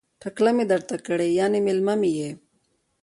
ټکله می درته کړې ،یعنی میلمه می يی